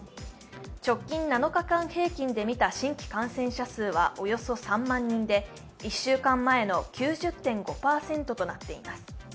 直近７日間平均で見た新規感染者数はおよそ３万人で１週間前の９０．５％となっています。